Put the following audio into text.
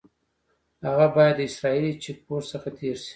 هغه باید د اسرائیلي چیک پوسټ څخه تېر شي.